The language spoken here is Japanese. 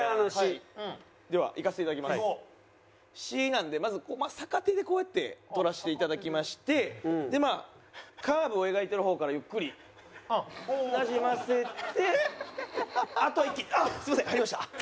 なんでまず逆手でこうやって取らせていただきましてカーブを描いている方からゆっくりなじませてあとは一気にあっ！